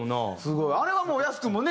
あれはもうヤス君もね